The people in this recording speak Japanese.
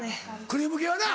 クリーム系はな。